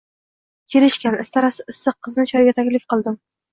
Kelishgan, istarasi issiq qizni choyga taklif qildim